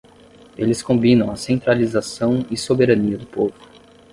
Eles combinam a centralização e soberania do povo.